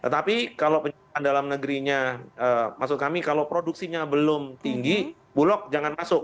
tapi kalau penyediaan dalam negerinya maksud kami kalau produksinya belum tinggi bulog jangan masuk